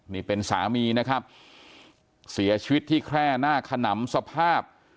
นี่เป็นสามีนะครับเสียชีวิตที่แคร่หน้าขนำสภาพ